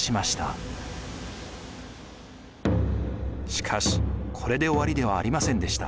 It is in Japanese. しかしこれで終わりではありませんでした。